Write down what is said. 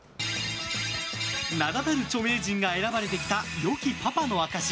名だたる著名人が選ばれてきた良きパパの証し